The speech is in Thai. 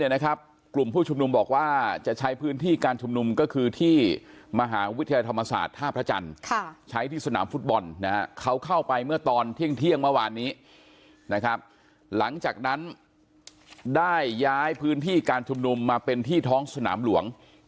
นะครับหลักจากนั้นได้ย้ายพื้นที่การชุมนุมมาเป็นที่ท้องสนามหลวง